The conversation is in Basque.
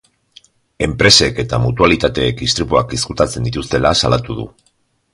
Enpresek eta mutualitateek istripuak ezkutatzen dituztela salatu du.